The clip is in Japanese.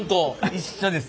一緒です。